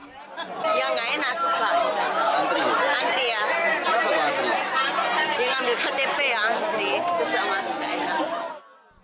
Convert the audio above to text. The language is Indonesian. yang gak enak sesuatu antrean yang ambil ktp ya antrean sesuatu yang enak